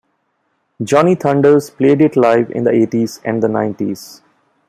Johnny Thunders played it live in the eighties and the nineties.